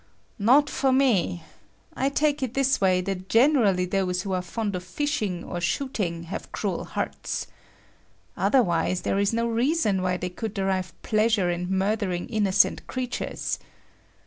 Not for me! I take it this way that generally those who are fond of fishing or shooting have cruel hearts. Otherwise, there is no reason why they could derive pleasure in murdering innocent creatures.